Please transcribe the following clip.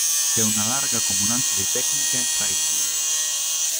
C'è una larga comunanza di tecniche fra i due.